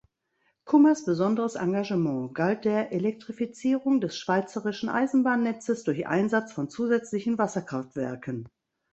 Kummers besonderes Engagement galt der Elektrifizierung des schweizerischen Eisenbahnnetzes durch Einsatz von zusätzlichen Wasserkraftwerken.